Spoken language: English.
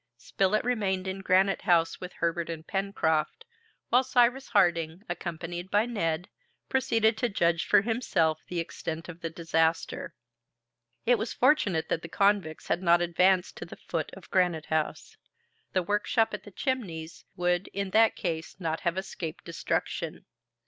Spilett remained in Granite House with Herbert and Pencroft, while Cyrus Harding, accompanied by Neb, proceeded to judge for himself of the extent of the disaster. It was fortunate that the convicts had not advanced to the foot of Granite House. The workshop at the Chimneys would in that case not have escaped destruction.